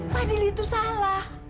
fadil itu salah